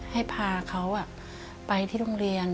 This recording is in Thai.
ให้พาเขาไปที่โรงเรียน